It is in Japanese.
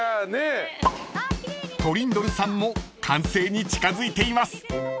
［トリンドルさんも完成に近づいています］